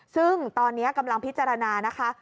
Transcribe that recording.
ซึ่งตอนนี้กำลังพิจารณานะคะ